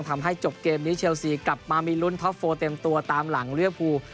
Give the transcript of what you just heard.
ทำให้จบเกมนี้เชลซีกลับมามีลุ้นท็อปโฟเต็มตัวตามหลังเรียวภู